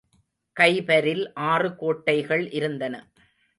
கைபரில் ஆறு கோட்டைகள் இருந்தன.